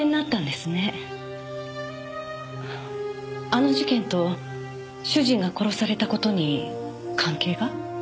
あの事件と主人が殺された事に関係が？